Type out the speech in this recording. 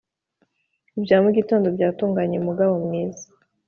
ibya mugitondo byatunganye mugabo mwiza”